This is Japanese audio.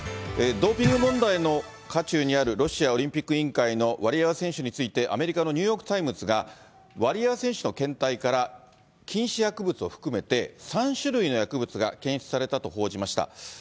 ドーピング問題の渦中にある、ロシアオリンピック委員会のワリエワ選手について、アメリカのニューヨーク・タイムズが、ワリエワ選手の検体から、禁止薬物を含めて、３種類の薬物が検出されたと報じました。